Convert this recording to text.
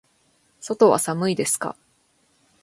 外は寒いですか。